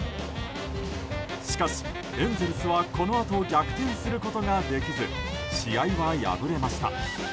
しかしエンゼルスはこのあと逆転することができず試合は敗れました。